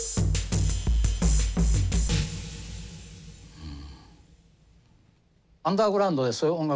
うん。